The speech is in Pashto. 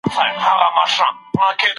په قدم وهلو کي د هډوکو کمزوري نه پاته کېږي.